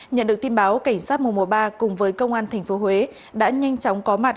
nhận được tin báo cảnh sát mùa mùa ba cùng với công an tp huế đã nhanh chóng có mặt